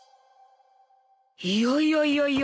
いやいやいやいや！